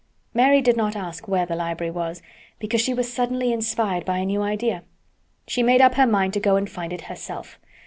Mary did not ask where the library was, because she was suddenly inspired by a new idea. She made up her mind to go and find it herself.